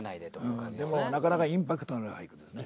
でもなかなかインパクトのある俳句ですね。